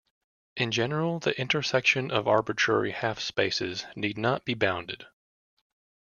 In general the intersection of arbitrary half-spaces need not be bounded.